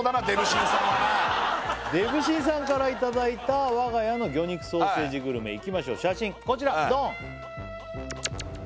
デブしんさんからいただいた我が家の魚肉ソーセージグルメいきましょう写真こちらドン！